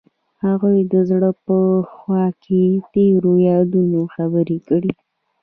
هغوی د زړه په خوا کې تیرو یادونو خبرې کړې.